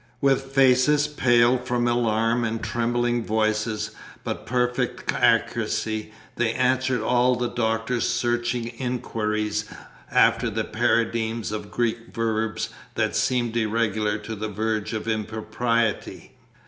With faces pale from alarm, and trembling voices, but perfect accuracy, they answered all the Doctor's searching inquiries after the paradigms of Greek verbs that seemed irregular to the verge of impropriety.